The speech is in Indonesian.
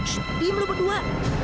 shh diam lu berdua